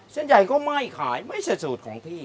เส้นใหญ่ก็ไม่ขายไม่ใช่สูตรของพี่